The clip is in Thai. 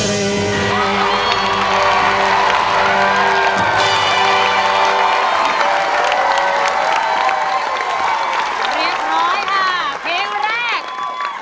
เข้าเรื่องร้อยค่ะเวลาเพลงแรก